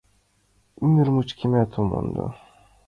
Ӱмыр мучкемат ом мондо